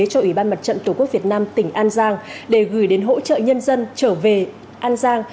cho ủy ban mặt trận tổ quốc việt nam tỉnh an giang để gửi đến hỗ trợ nhân dân trở về an giang